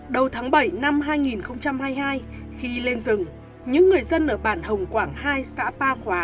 đầu tháng bảy năm hai nghìn hai mươi hai khi lên rừng những người dân ở bản hồng quảng hai xã ba khóa